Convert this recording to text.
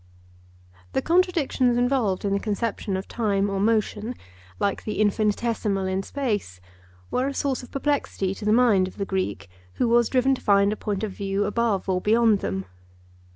The contradictions involved in the conception of time or motion, like the infinitesimal in space, were a source of perplexity to the mind of the Greek, who was driven to find a point of view above or beyond them.